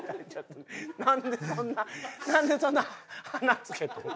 なんでそんななんでそんな花つけとるん？